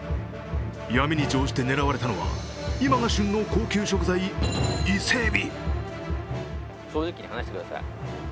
闇に乗して狙われたのは、今が旬の高級食材、伊勢えび。